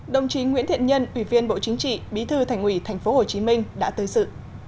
đồng chí nguyễn thiện nhân ủy viên bộ chính trị bí thư thành ủy tp hcm đã tới sự